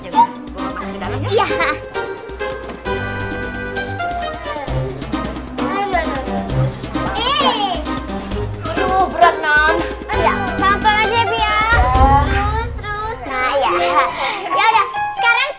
bawa masuk ke dalam yuk